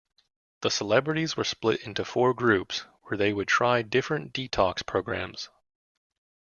The celebrities were split into four groups where they would try different detox programmes.